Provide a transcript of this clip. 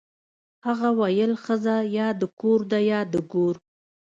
هغه ویل ښځه یا د کور ده یا د ګور